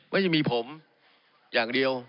ไม่มีผมอย่างเดียว